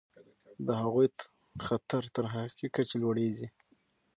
د هغوی خطر تر حقیقي کچې لوړیږي.